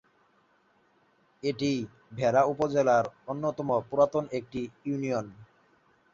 এটি বেড়া উপজেলার অন্যতম পুরাতন একটি ইউনিয়ন।